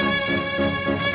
aku mau denger